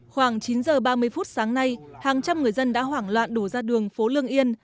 khoảng chín giờ ba mươi phút sáng nay hàng trăm người dân đã hoảng loạn đổ ra đường phố lương yên